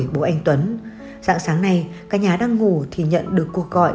các nhà đang ngủ thì nhận được cuộc gọi